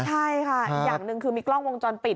ใช่ค่ะอีกอย่างหนึ่งคือมีกล้องวงจรปิด